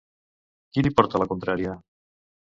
Qui li porta la contrària?